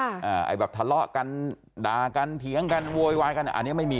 ไอ้แบบทะเลาะกันด่ากันเถียงกันโวยวายกันอันนี้ไม่มี